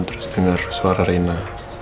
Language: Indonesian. terus denger suara rena